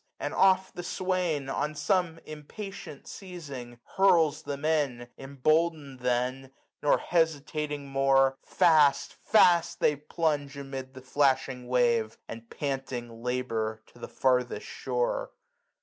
Aiid oft the swsdn. On some impatient seizing, hurls them in : 380 Emboldened then, nor hesitating more. Fast, fast, they plunge amid the flashing wave. And panting labour to the farthest shore.